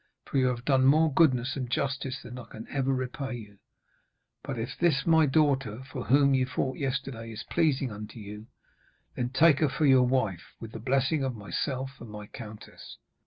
For you have done more goodness and justice than I can ever repay you. But if this my daughter, for whom ye fought yesterday, is pleasing unto you, then take her for your wife, with the blessing of myself and my countess.'